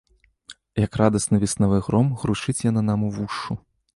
Як радасны веснавы гром, гручыць яна нам увушшу.